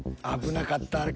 危なかった。